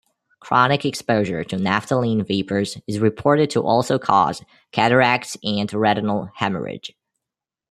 Chronic exposure to naphthalene vapors is reported to also cause cataracts and retinal hemorrhage.